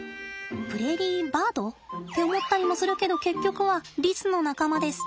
プレーリーバード？って思ったりもするけど結局はリスの仲間です。